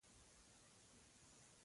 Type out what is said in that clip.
په ناروغ به خفه و.